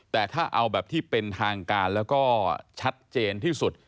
แต่ถ้าเอาแบบที่เป็นทางการแล้วก็ชัดเจนที่สุด